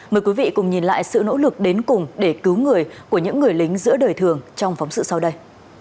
mời quý vị cùng nhìn lại sự nỗ lực đến cùng để cứu người của những người lính giữa đời thường trong phóng sự sau đây